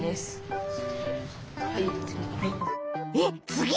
えっ次？